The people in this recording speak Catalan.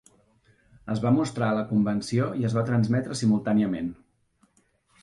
Es va mostrar a la convenció i es va transmetre simultàniament.